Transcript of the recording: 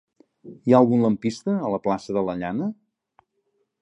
Hi ha algun lampista a la plaça de la Llana?